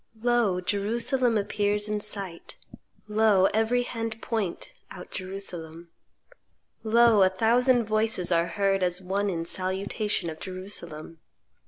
"Lo! Jerusalem appears in sight. Lo! every hand point, out Jerusalem. Lo! a thousand voices are heard as one in salutation of Jerusalem.